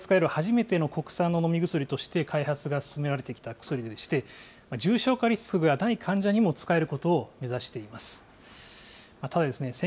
軽症の段階で使える初めての国産の飲み薬として開発が進められてきた薬でして、重症化リスクがない患者にも使えることを目指しています。